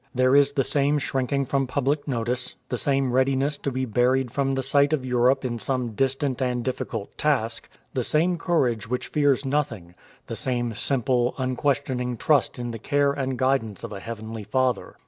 There is the same shrinking from public notice, the same readiness to be buried from the sight of Europe in some distant and difficult task, the same courage which fears nothing, the same simple, unquestioning trust in the care and guidance of a heavenly Father.